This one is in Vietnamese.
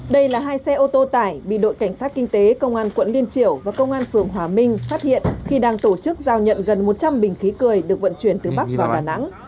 đây là hai xe ô tô tải bị đội cảnh sát kinh tế công an quận liên triểu và công an phường hòa minh phát hiện khi đang tổ chức giao nhận gần một trăm linh bình khí cười được vận chuyển từ bắc vào đà nẵng